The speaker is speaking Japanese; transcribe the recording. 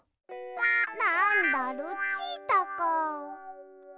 なんだルチータか。